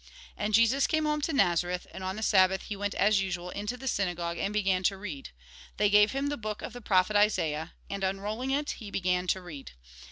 And Jesus came home to Nazareth ; and on the Sabbath he went as usual into the synagogue, and began to read. They gave him the book of the prophet Isaiah, and, unrolling it, he began to read.